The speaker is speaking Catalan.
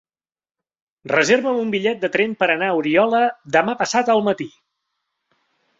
Reserva'm un bitllet de tren per anar a Oriola demà passat al matí.